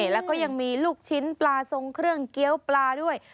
แล้วก็ยังมีลูกชิ้นปลาทรงเครื่องเกี้ยวปลาด้วย